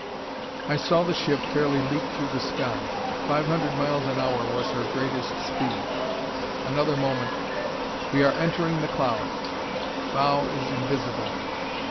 I saw the ship fairly leap through the sky. Five hundred miles an hour was her greatest speed. Another moment "We are entering the cloud. Bow is invisible.